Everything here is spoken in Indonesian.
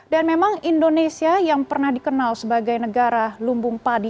memang indonesia yang pernah dikenal sebagai negara lumbung padi